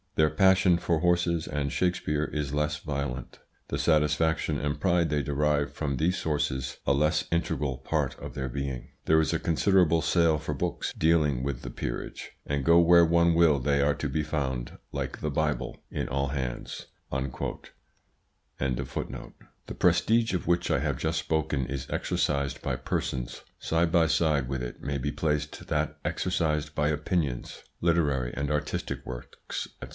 Their passion for horses and Shakespeare is less violent, the satisfaction and pride they derive from these sources a less integral part of their being. There is a considerable sale for books dealing with the peerage, and go where one will they are to be found, like the Bible, in all hands." The prestige of which I have just spoken is exercised by persons; side by side with it may be placed that exercised by opinions, literary and artistic works, &c.